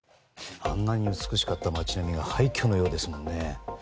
あんなに美しかった街並みが廃墟のようですもんね。